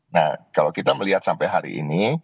nah kalau kita melihat sampai hari ini